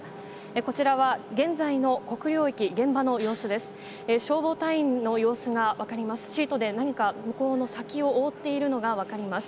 こちらは現在の国領駅、現場の様子です。